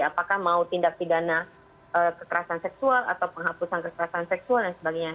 apakah mau tindak pidana kekerasan seksual atau penghapusan kekerasan seksual dan sebagainya